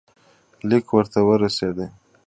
لیک ورته ورسېدی.